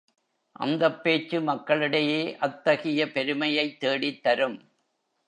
அந்தப் பேச்சு மக்கள் இடையே அத்தகைய பெருமையைத் தேடித் தரும்.